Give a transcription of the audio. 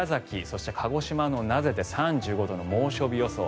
そして鹿児島の名瀬で３５度の猛暑日予想。